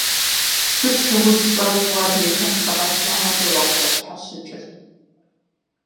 Сыт щыгъуи сщӀэрт уэ адрейхэм псэ къабзагъэкӀэ уакъызэрыщхьэщыкӀыр.